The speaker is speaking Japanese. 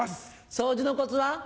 掃除のコツは？